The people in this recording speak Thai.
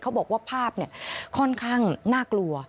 บอกว่าภาพค่อนข้างน่ากลัว